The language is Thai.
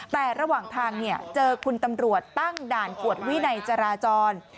แต่ระหว่างทางเจอคุณตำรวจตั้งด่านกวดวินัยจราจร